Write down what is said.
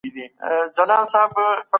د ښوونکي شتون دوامداره دي.